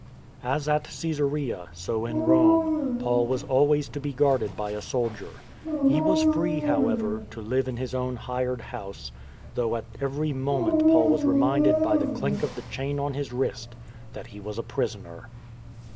As at Csesarea so in Rome Paul was always to be guarded by a soldier. He was free, however, to live in his own hired house, though at every movement Paul was reminded by the clink of the chain on his wrist that he was a prisoner.